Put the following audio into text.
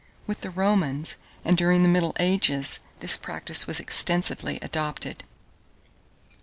With the Romans, and during the middle ages, this practice was extensively adopted.